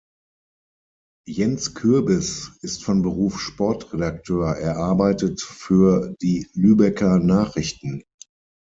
Jens Kürbis ist von Beruf Sportredakteur, er arbeitet für die Lübecker Nachrichten.